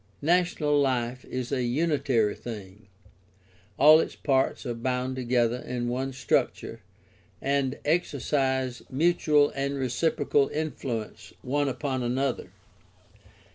Nat'onal life is a unitary thing; all its parts are bound together in one structure and exercise mutual and reciprocal influence one upon another.